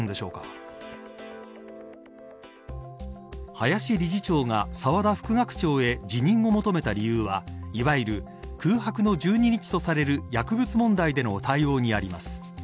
林理事長が澤田副学長へ辞任を求めた理由はいわゆる空白の１２日とされる薬物問題での対応にあります。